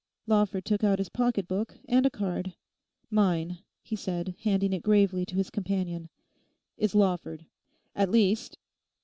Lawford took out his pocket book and a card. 'Mine,' he said, handing it gravely to his companion. 'is Lawford—at least...